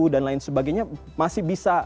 dan lain sebagainya masih bisa